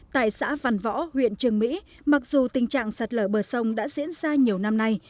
tại xã văn võ huyện trường mỹ mặc dù tình trạng sạt lở bờ sông đã diễn ra nhiều năm nay